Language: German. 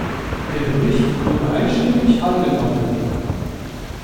Der Bericht wurde einstimmig angenommen.